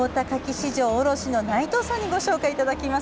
市場卸の内藤さんにご紹介いただきます。